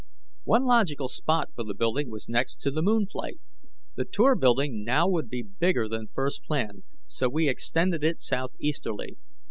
One logical spot for the building was next to the moon flight. The Tour building now would be bigger than first planned, so we extended it southeasterly.